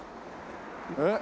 えっ？